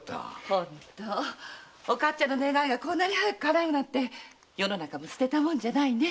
本当おかつちゃんの願いがこんなに早く叶うなんて世の中も捨てたもんじゃないね。